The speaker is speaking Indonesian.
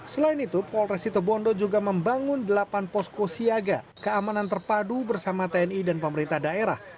selain itu polresi tobondo juga membangun delapan posko siaga keamanan terpadu bersama tni dan pemerintah daerah